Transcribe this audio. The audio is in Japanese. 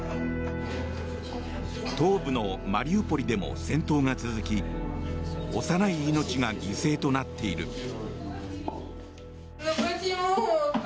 東部のマリウポリでも戦闘が続き幼い命が犠牲となっている。